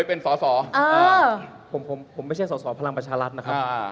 ผมไม่ใช่สพลังประชารัฐนะครับ